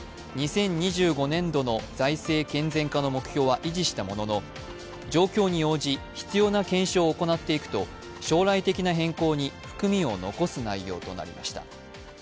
２０２５年度の財政健全化の目標は維持したものの状況に応じ必要な検証を行っていくと将来的な変更に含みを残す内容となりました。